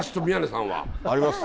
あります。